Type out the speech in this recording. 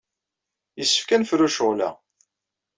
Yessefk ad d-nefru ccɣel-a.